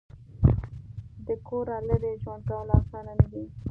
د کوره لرې ژوند کول اسانه نه دي.